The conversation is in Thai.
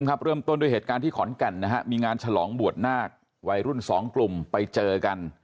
เริ่มต้นด้วยเหตุการณ์ที่ขอนแก่นนะฮะมีงานฉลองบวชนาควัยรุ่นสองกลุ่มไปเจอกัน